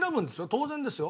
当然ですよ。